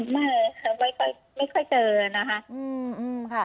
ไม่ค่อยเจอนะคะ